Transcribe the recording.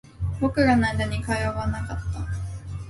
僕らの間に会話はなかった